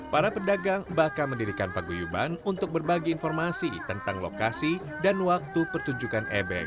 para pedagang bahkan mendirikan paguyuban untuk berbagi informasi tentang lokasi dan waktu pertunjukan ebek